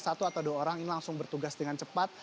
satu atau dua orang ini langsung bertugas dengan cepat